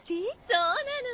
そうなの。